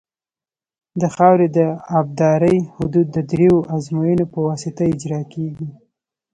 د خاورې د ابدارۍ حدود د دریو ازموینو په واسطه اجرا کیږي